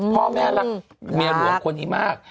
พ่อแม่รักเมียหลวงคนนี้มาก